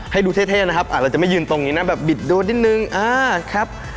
ให้ดูเท่นะครับอาจจะไม่ยืนตรงนี้นะแบบบิดโดนนิดนึงอ่าครับ